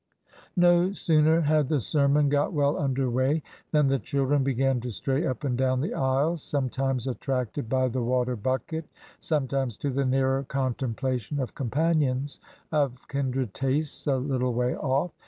No sooner had the sermon got well under way than the children began to stray up and down the aisles, some times attracted by the water bucket, sometimes to the nearer contemplation of companions of kindred tastes a little way off.